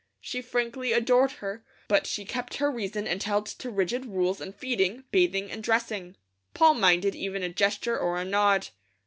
She frankly adored her, but she kept her reason and held to rigid rules in feeding, bathing, and dressing. Poll minded even a gesture or a nod.